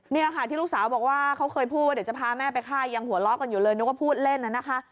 นี่ค่ะที่ลูกสาวบอกว่าเค้าเคยพูดว่าจะพาแม่ไปไข้ยังหัวเราะกันอยู่เรียกว่าพูดเล่นนะคะ